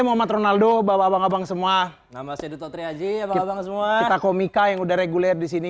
nama tronaldo bawa abang abang semua nama saya duto triaji kita komika yang udah reguler di sini